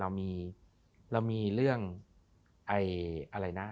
เรามีเรื่องประกันรายได้ท่วนหน้า